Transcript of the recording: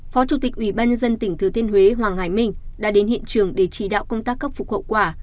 phó chủ tịch ủy ban nhân dân tỉnh thừa thiên huế hoàng hải minh đã đến hiện trường để chỉ đạo công tác khắc phục hậu quả